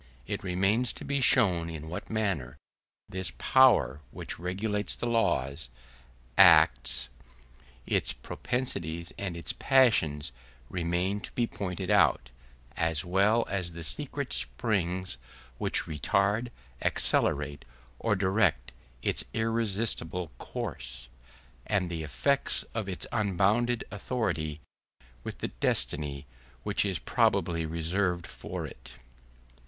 It remains to be shown in what manner this power, which regulates the laws, acts: its propensities and its passions remain to be pointed out, as well as the secret springs which retard, accelerate, or direct its irresistible course; and the effects of its unbounded authority, with the destiny which is probably reserved for it.